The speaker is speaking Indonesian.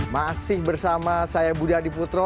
masih bersama saya budi adiputro